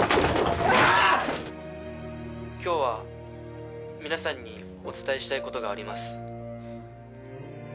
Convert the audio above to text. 「今日は皆さんにお伝えしたい事があります」